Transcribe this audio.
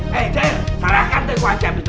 hey jair sarahkan tuh yang wajib itu